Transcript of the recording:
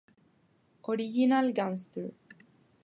Original Gangster".